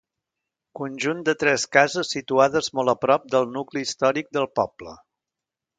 Conjunt de tres cases situades molt a prop del nucli històric del poble.